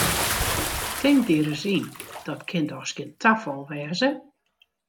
Tink dy ris yn, dat kin dochs gjin tafal wêze!